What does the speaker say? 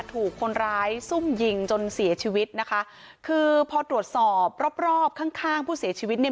ถูกคนร้ายซุ่มยิงจนเสียชีวิตนะคะคือพอตรวจสอบรอบรอบข้างข้างผู้เสียชีวิตเนี่ย